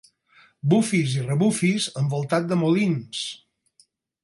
Bufis i rebufis envoltat de molins.